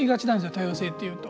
多様性っていうと。